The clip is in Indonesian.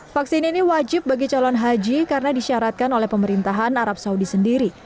vaksin ini wajib bagi calon haji karena disyaratkan oleh pemerintahan arab saudi sendiri